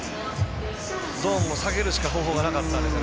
ゾーンを下げるしか方法がなかったんですよね。